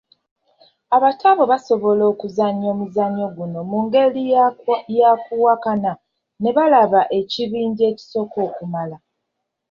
Abato abo basobola okuzannya omuzannyo guno mu ngeri ya kuwakana ne balaba ekibinja ekisooka okumala.